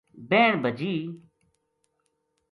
بہن بھجی